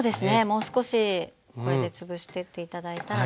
もう少しこれで潰してって頂いたらと思います。